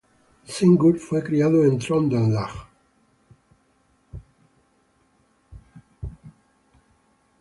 Sigurd fue criado en Trøndelag.